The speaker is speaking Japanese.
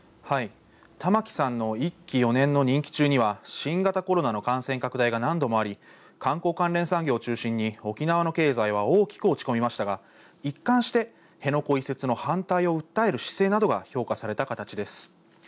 玉城さんの１期４年の任期中には新型コロナの感染拡大が何度もあり観光関連産業を中心に沖縄の経済は大きく落ち込みましたが、一貫して辺野古移設の反対を訴える姿勢などが評価された形です。